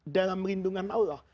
dalam lindungan allah